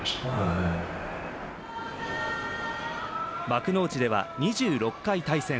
幕内では２６回対戦。